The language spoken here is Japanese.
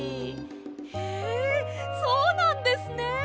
へえそうなんですね。